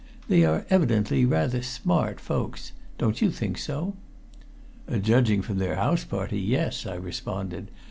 They are evidently rather smart folks. Don't you think so?" "Judging from their house party, yes," I responded.